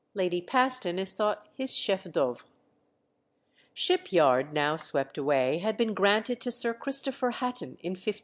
Lady Paston is thought his chef d'œuvre. Ship Yard, now swept away, had been granted to Sir Christopher Hatton in 1571.